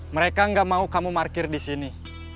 mereka gak mau kamu parkir di sini